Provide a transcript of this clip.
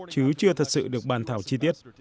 chứ chưa thật sự được bàn thảo chi tiết